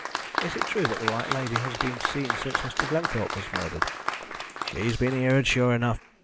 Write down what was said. "Is it true that the White Lady has been seen since Mr. Glenthorpe was murdered?" "She's been heered, shure enough.